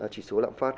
chỉ số lạm phát